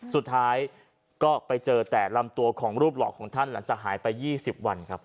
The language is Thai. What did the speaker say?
สุดท้ายก็ไปเจอแต่ลำตัวของรูปหลอกของท่านหลังจากหายไป๒๐วันครับ